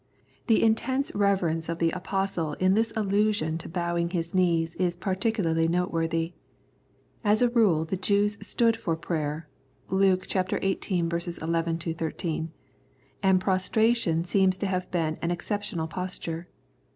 The intense reverence of the Apostle in this allusion to bowing his knees is particularly noteworthy. As a rule the Jews stood for prayer (Luke xviii. 11 13), and prostration seems to have been an exceptional posture.